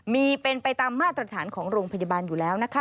มีเป็นไปตามมาตรฐานของโรงพยาบาลอยู่แล้วนะคะ